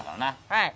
はい。